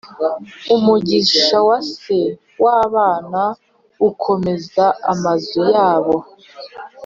umugisha wa se w’abana ukomeza amazu yabo,